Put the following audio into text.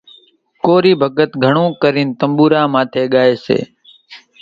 ڪورِي ڀڳت گھڻون ڪرينَ تنٻوُرا ماٿيَ ڳائيَ سي۔